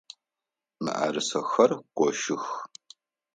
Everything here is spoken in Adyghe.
Мыӏэрысэхэр гощых!